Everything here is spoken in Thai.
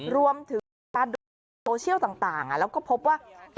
รวมถึงประดูกโซเชียลต่างแล้วก็พบว่า